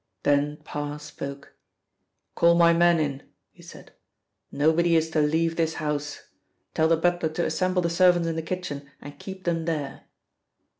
Then Parr spoke. "Call my men in," he said. "Nobody is to leave this house. Tell the butler to assemble the servants in the kitchen and keep them there."